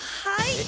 はい。